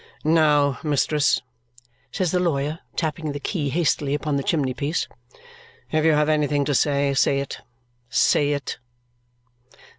"Now, mistress," says the lawyer, tapping the key hastily upon the chimney piece. "If you have anything to say, say it, say it."